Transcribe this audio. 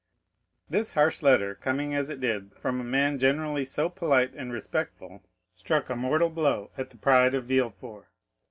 This harsh letter, coming as it did from a man generally so polite and respectful, struck a mortal blow at the pride of Villefort.